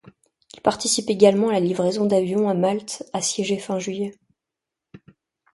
Il participe également à la livraison d'avions à Malte assiégé fin juillet.